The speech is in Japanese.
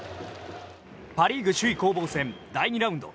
パ・リーグ首位攻防戦第２ラウンド。